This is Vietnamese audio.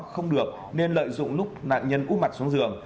không được nên lợi dụng lúc nạn nhân úp mặt xuống giường